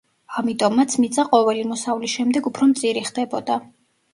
ამიტომაც მიწა ყოველი მოსავლის შემდეგ უფრო მწირი ხდებოდა.